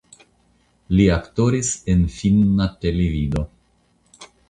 Li aktoris en finna televido.